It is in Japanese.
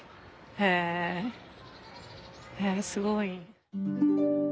へえすごい。